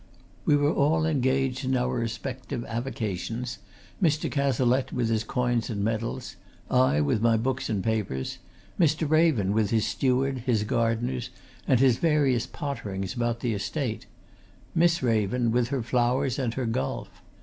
We were all engaged in our respective avocations Mr. Cazalette with his coins and medals; I with my books and papers; Mr. Raven with his steward, his gardeners, and his various potterings about the estate; Miss Raven with her flowers and her golf.